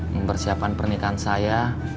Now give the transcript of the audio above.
mempersiapkan pernikahan saya